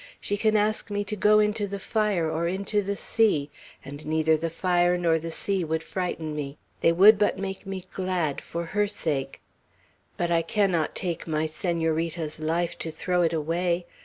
She can ask me to go into the fire or into the sea, and neither the fire nor the sea would frighten me; they would but make me glad for her sake. But I cannot take my Senorita's life to throw it away.